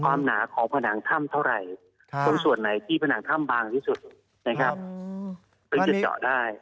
ความหนาของผนังถ่ำเท่าไหร่ต้นส่วนไหนที่ผนังถ่ำบางที่สุด